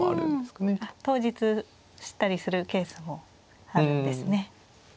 当日知ったりするケースもあるんですね。